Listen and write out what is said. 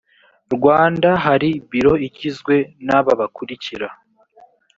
rwanda hari biro igizwe n aba bakurikira